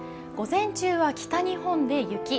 午前中は北日本で雪。